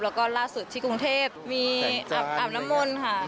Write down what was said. แล้วก็ล่าสุดที่กรุงเทพมีอาบน้ำมนต์ค่ะ